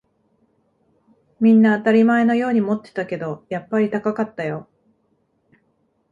みんな当たり前のように持ってたけど、やっぱり高かったよ